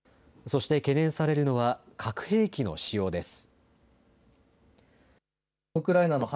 そして懸念されるのは、核兵器の使用です。